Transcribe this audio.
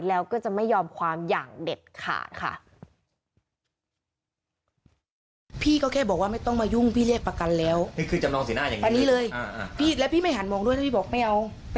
แล้วก็จะไม่ยอมความอย่างเด็ดขาดค่ะ